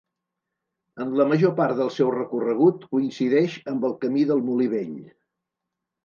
En la major part del seu recorregut coincideix amb el Camí del Molí Vell.